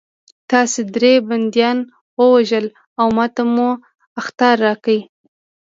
تاسې درې بندیان ووژل او ماته مو اخطار راکړ